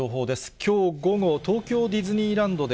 きょう午後、東京ディズニーランドで、